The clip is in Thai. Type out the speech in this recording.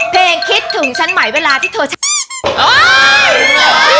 เพลงคิดถึงฉันใหม่เวลาที่เธอชัก